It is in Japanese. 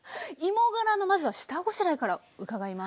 芋がらのまずは下ごしらえから伺います。